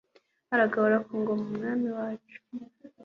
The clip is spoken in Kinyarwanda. aragahora ku ngoma umwami wacu